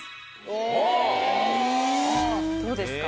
おっどうですか？